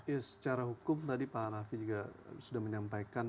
ya secara hukum tadi pak raffi sudah menyampaikan